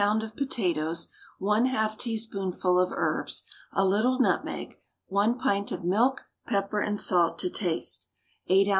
of potatoes, 1/2 teaspoonful of herbs, a little nutmeg, 1 pint of milk, pepper and salt to taste, 8 oz.